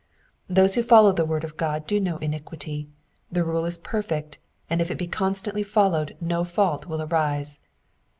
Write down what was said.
Those who follow the word of God do no iniquity, the rule is perfect, and if it be constantly followed no fault will arise.